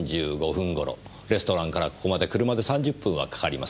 レストランからここまで車で３０分はかかります。